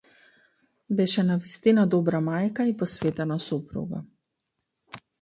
Беше навистина добра мајка и посветена сопруга.